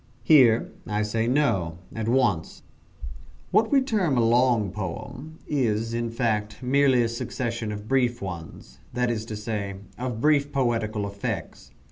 Here I say no, at once. What we term a long poem is, in fact, merely a succession of brief ones that is to say, of brief poetical effects.